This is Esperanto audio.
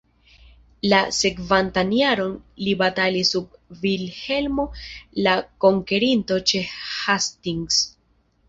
La sekvantan jaron li batalis sub Vilhelmo la Konkerinto ĉe Hastings.